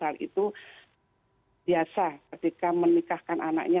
hal itu biasa ketika menikahkan anaknya